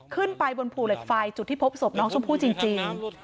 ขึ้นไปบนภูเหล็กไฟจุดที่พบศพน้องชมพู่จริง